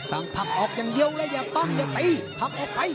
มันผักไม่ออกอ่ะดิพี่ปะ